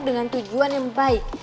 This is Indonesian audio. dengan tujuan yang baik